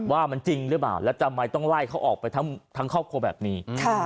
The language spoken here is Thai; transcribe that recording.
ว่ามันจริงหรือเปล่าแล้วทำไมต้องไล่เขาออกไปทั้งครอบครัวแบบนี้